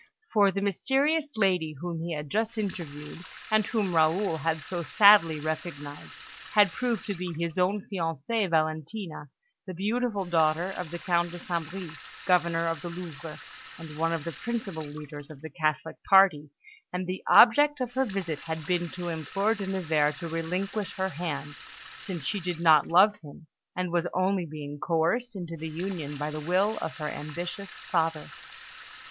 For the mysterious lady whom he had just interviewed, and whom Raoul had so sadly recognised, had proved to be his own fiancée, Valentina, the beautiful daughter of the Count de St. Bris, Governor of the Louvre, and one of the principal leaders of the Catholic party; and the object of her visit had been to implore De Nevers to relinquish her hand, since she did not love him, and was only being coerced into the union by the will of her ambitious father.